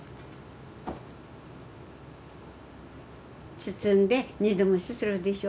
包んで二度蒸しするでしょ。